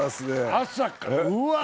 朝からうわぁ！